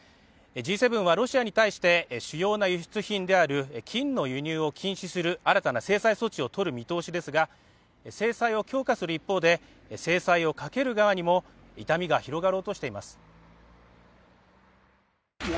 Ｇ７はロシアに対して主要な輸出品である金の輸入を禁止する新たな制裁措置をとる見通しですが制裁を強化する一方で、制裁をかける側にも痛みが広がろうとしています。